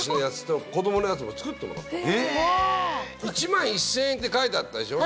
１万１０００円って書いてあったでしょ？